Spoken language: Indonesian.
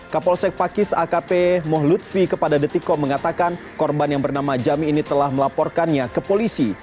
kapolsek pakis akp mohlutvi kepada detikom mengatakan korban yang bernama jami ini telah melaporkannya ke polisi